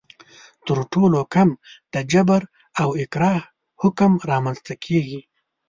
تر ټولو کم د جبر او اکراه حکومت رامنځته کیږي.